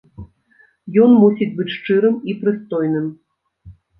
Ён мусіць быць шчырым і прыстойным.